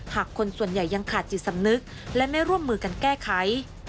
คนส่วนใหญ่ยังขาดจิตสำนึกและไม่ร่วมมือกันแก้ไข